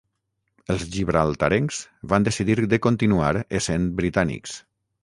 Els gibraltarencs van decidir de continuar essent britànics.